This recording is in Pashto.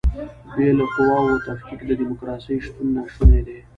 بې له قواوو تفکیک د دیموکراسۍ شتون ناشونی دی.